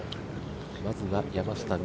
まずは山下美